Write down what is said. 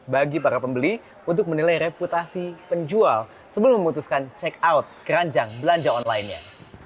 bagi para pembeli untuk menilai reputasi penjual sebelum memutuskan check out keranjang belanja online nya